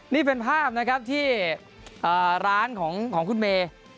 นี่เป็นภาพที่ร้านของคุณเม